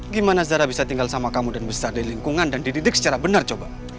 gimana zara bisa tinggal sama kamu dan besar di lingkungan dan dididik secara benar coba